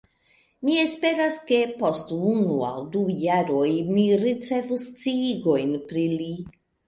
Mi esperas ke, post unu aŭ du jaroj, mi ricevos sciigojn pri li.